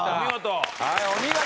はいお見事！